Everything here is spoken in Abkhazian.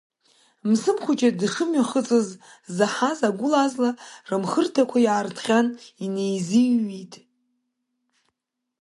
Мсым Хәыҷы дшымҩахыҵыз заҳаз агәыла-азла рымхырҭақәа иаарыҭҟьан инеизыҩҩит.